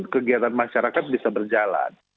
kegiatan masyarakat bisa berjalan